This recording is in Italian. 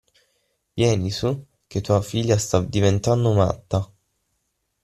Vieni su, che tua figlia sta diventando matta!